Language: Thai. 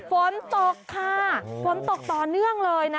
ฝนตกค่ะฝนตกต่อเนื่องเลยนะ